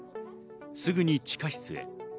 すぐに地下室へ。